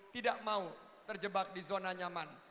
tidak mau terjebak di zona nyaman